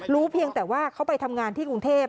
เพียงแต่ว่าเขาไปทำงานที่กรุงเทพ